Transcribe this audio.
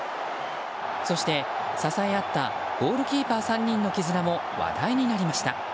そして、支え合ったゴールキーパー３人の絆も話題になりました。